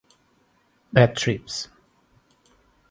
bad-trips